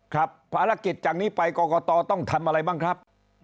ครับภารกิจจากนี้ไปกรกตต้องทำอะไรบ้างครับ